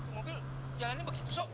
mobil jalannya begitu sok